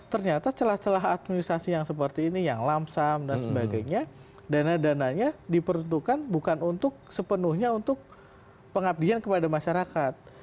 ternyata celah celah administrasi yang seperti ini yang lamsam dan sebagainya dana dananya diperuntukkan bukan untuk sepenuhnya untuk pengabdian kepada masyarakat